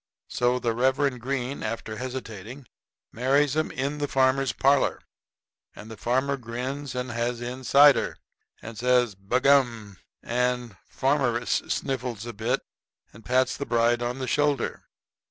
So the Reverend Green, after hesitating, marries 'em in the farmer's parlor. And farmer grins, and has in cider, and says "B'gum!" and farmeress sniffles a bit and pats the bride on the shoulder.